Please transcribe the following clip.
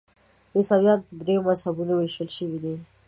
عیسویان په دریو مذهبونو ویشل شوي دي.